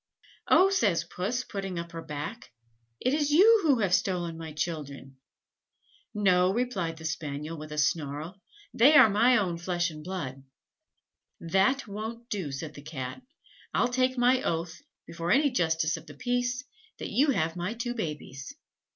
"Oh!" says Puss, putting up her back, "it is you who have stolen my children." "No!" replied the Spaniel, with a snarl; "they are my own flesh and blood." "That won't do," said the Cat; "I'll take my oath, before any Justice of the Peace, that you have my two babies."